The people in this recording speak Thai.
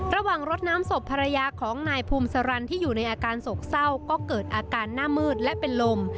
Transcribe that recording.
รดน้ำศพภรรยาของนายภูมิสารันที่อยู่ในอาการโศกเศร้าก็เกิดอาการหน้ามืดและเป็นลม